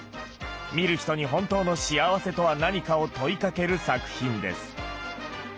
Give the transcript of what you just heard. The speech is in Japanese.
見る人に本当の幸せとは何かを問いかける作品です。